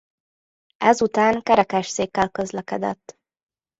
Ez után kerekesszékkel közlekedett.